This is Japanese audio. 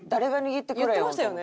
言ってましたよね